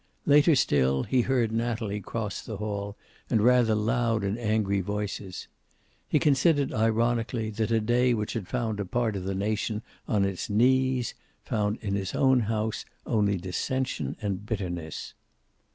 Later still he heard Natalie cross the hall, and rather loud and angry voices. He considered, ironically, that a day which had found a part of the nation on its knees found in his own house only dissension and bitterness.